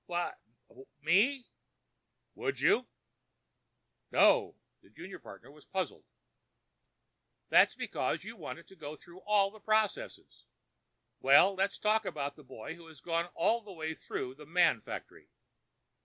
"W'at—me?" "Would you?" "No." The junior partner was puzzled. "That's because you want it to go through all the processes. Well, let's talk only about the boy who has gone all the way through the man factory."